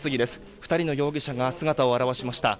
２人の容疑者が姿を現しました。